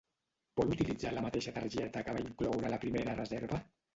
Vol utilitzar la mateixa targeta que va incloure a la primera reserva?